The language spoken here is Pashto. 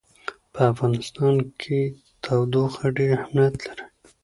په افغانستان کې تودوخه ډېر اهمیت لري.